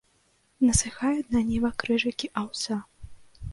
Насыхаюць на нівах крыжыкі аўса.